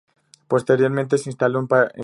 Posteriormente se instaló en París.